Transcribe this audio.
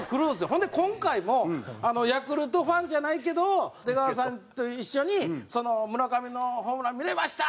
ほんで今回も「ヤクルトファンじゃないけど出川さんと一緒に村上のホームラン見れました！」